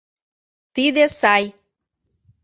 Тиде сай.